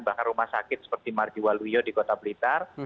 bahkan rumah sakit seperti marjiwaluyo di kota blitar